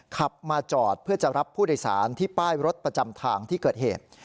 ขับมาจอดเพื่อจะรับผู้โดยสารที่ป้ายรถประจำทางที่เกิดเหตุ